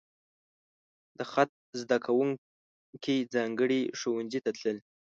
د خط زده کوونکي ځانګړي ښوونځي ته تلل.